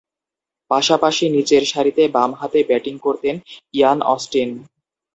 পাশাপাশি নিচেরসারিতে বামহাতে ব্যাটিং করতেন ইয়ান অস্টিন।